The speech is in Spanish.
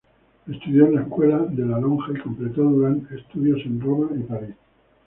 Estudió en la Escuela de la Lonja y completó estudios en Roma y París.